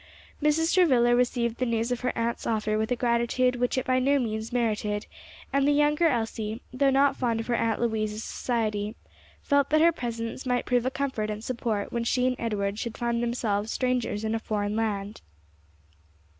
Mrs. Travilla received the news of her aunt's offer with a gratitude which it by no means merited, and the younger Elsie, though not fond of her Aunt Louise's society, felt that her presence might prove a comfort and support when she and Edward should find themselves strangers in a foreign land.